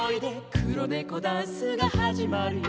「くろネコダンスがはじまるよ」